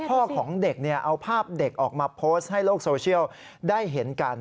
พ่อของเด็กเอาภาพเด็กออกมาโพสต์ให้โลกโซเชียลได้เห็นกัน